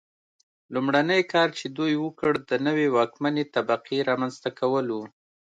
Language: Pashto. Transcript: لومړنی کار چې دوی وکړ د نوې واکمنې طبقې رامنځته کول و.